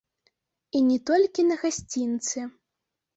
І не толькі на гасцінцы.